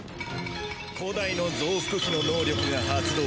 古代の増幅器の能力が発動。